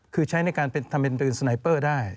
คือใช้ในการทำเป็นรินสไนเปอร์ได้